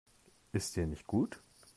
Ist dir nicht gut?